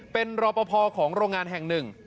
เป็นรอปภของโรงงานแห่งหนึ่ง